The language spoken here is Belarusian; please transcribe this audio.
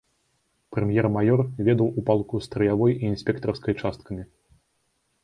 Прэм'ер-маёр ведаў у палку страявой і інспектарскай часткамі.